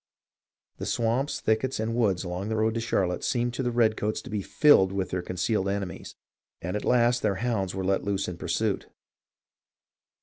The swamps, thickets, and woods along the road to Charlotte seemed to the redcoats to be filled with their concealed enemies, and at last their hounds were let loose in pursuit.